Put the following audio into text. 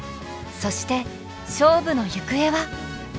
そして勝負のゆくえは。